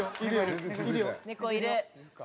「猫いる！」